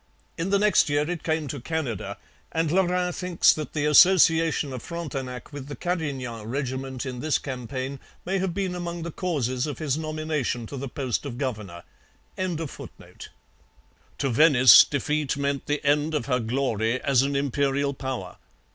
In the next year it came to Canada, and Lorin thinks that the association of Frontenac with the Carignan regiment in this campaign may have been among the causes of his nomination to the post of governor.] To Venice defeat meant the end of her glory as an imperial power.